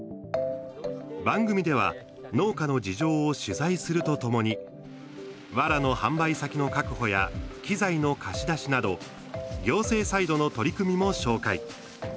番組では農家の事情を取材するとともにわらの販売先の確保や機材の貸し出しなど行政サイドの取り組みも紹介。